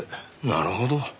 なるほど。